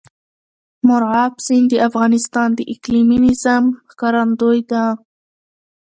مورغاب سیند د افغانستان د اقلیمي نظام ښکارندوی ده.